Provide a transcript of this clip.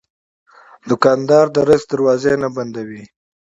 دوکاندار د رزق دروازې نه بندوي.